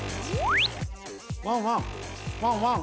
ワンワンワンワン！